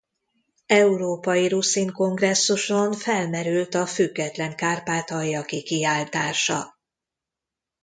Európai Ruszin Kongresszuson felmerült a független Kárpátalja kikiáltása.